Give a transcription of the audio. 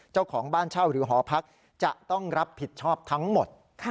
เจ้าของบ้านเช่าหรือหอพักจะต้องรับผิดชอบทั้งหมด